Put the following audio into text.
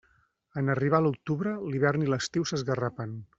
En arribar l'octubre, l'hivern i l'estiu s'esgarrapen.